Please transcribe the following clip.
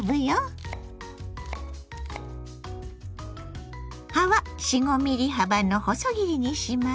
葉は４５ｍｍ幅の細切りにします。